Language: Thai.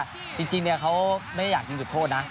จริงเขาไม่อยากยิงจุดโทษนะ